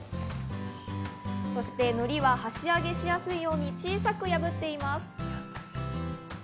そして、のりは箸上げしやすいように小さく破っています。